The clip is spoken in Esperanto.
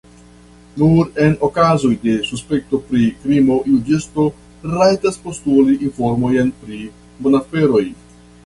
Nur en okazoj de suspekto pri krimo juĝisto rajtas postuli informojn pri monaferoj.